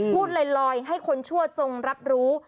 พูดลอยให้คนชั่วจงรับรู้